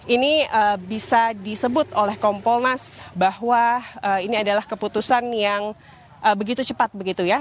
ini bisa disebut oleh kompolnas bahwa ini adalah keputusan yang begitu cepat begitu ya